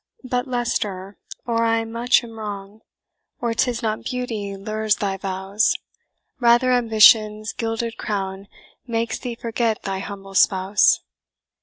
"But, Leicester (or I much am wrong), Or 'tis not beauty lures thy vows; Rather ambition's gilded crown Makes thee forget thy humble spouse.